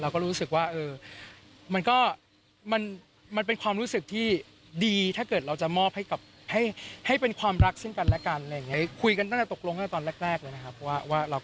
บางทีเราก็แบบไม่ค่อยได้เจออะไรอย่างนี้ครับ